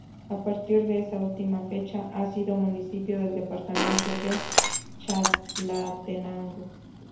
A partir de esta última fecha ha sido municipio del departamento de Chalatenango.